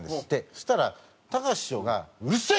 そしたらたかし師匠が「うるせえ！